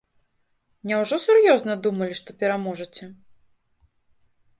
Няўжо сур'ёзна думалі, што пераможаце?